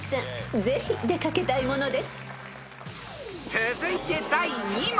［続いて第２問］